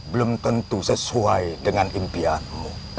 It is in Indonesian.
belum tentu sesuai dengan impianmu